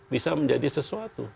bisa menjadi sesuatu